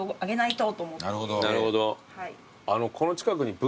なるほど。